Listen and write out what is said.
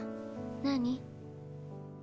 何？